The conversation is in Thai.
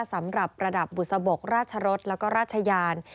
สำหรับประดับบุษบกราชรสแล้วก็ราชยาน